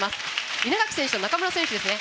稲垣選手と中村選手ですね。